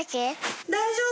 大丈夫？